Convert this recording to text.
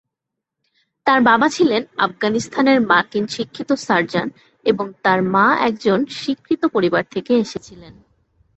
তার বাবা ছিলেন আফগানিস্তানের মার্কিন শিক্ষিত সার্জন এবং তার মা একজন স্বীকৃত পরিবার থেকে এসেছিলেন।